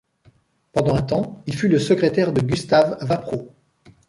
Pendant un temps il fut le secrétaire de Gustave Vapereau.